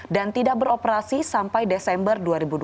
tidak beroperasi sampai desember dua ribu dua puluh